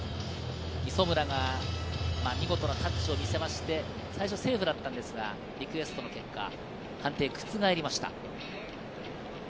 磯村が見事なキャッチを見せて、最初セーフだったんですがリクエストの結果、判定が覆りました。